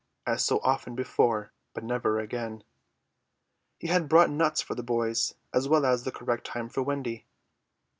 As so often before, but never again. He had brought nuts for the boys as well as the correct time for Wendy.